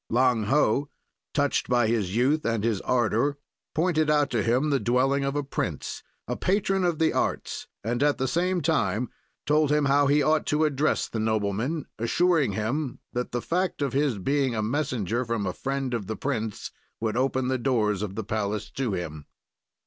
"Lang Ho, touched by his youth and his ardor, pointed out to him the dwelling of a prince, a patron of the arts, and, at the same time, told him how he ought to address the nobleman, assuring him that the fact of his being a messenger from a friend of the prince would open the doors of the palace to him.